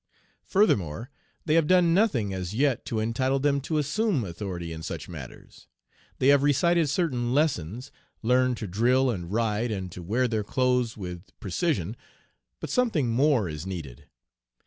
Furthermore, they have done nothing as yet to entitle them to assume authority in such matters. They have recited certain lessons, learned to drill and ride, and to wear their clothes with precision; but something more is needed.